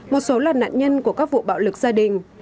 một số là nạn nhân của các vụ bạo lực gia đình